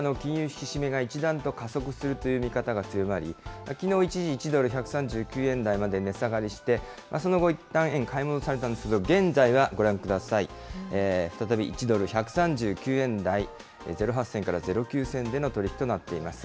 引き締めが一段と加速するという見方が強まり、きのう一時１ドル１３９円台まで値下がりして、その後いったん円、買い戻されたんですが、現在はご覧ください、再び１ドル１３９円台０８銭から０９銭での取り引きとなっています。